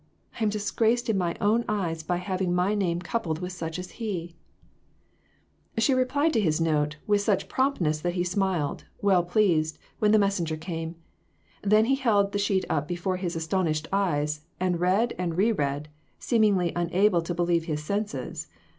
I am disgraced in my own eyes by having my name coupled with such as he !" She replied to his note with such promptness that he smiled, well pleased, when the messenger came; then held the sheet up before his aston ished eyes and read and re read, seemingly unable to believe his senses.